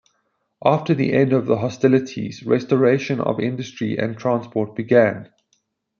After the end of the hostilities, restoration of industry and transport began.